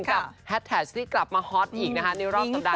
กับแฮดแทจที่กลับมาฮอตอีกในรอบสัมภาษีในปัจจุบัน